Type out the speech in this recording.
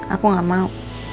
aku gak mau